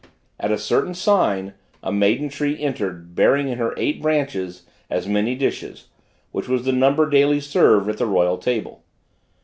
At a certain sign, a maiden tree entered, bearing in her eight branches, as many dishes, which was the number daily served at the royal table.